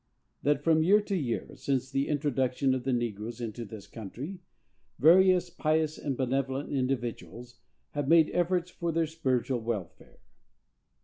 That from year to year, since the introduction of the negroes into this country, various pious and benevolent individuals have made efforts for their spiritual welfare.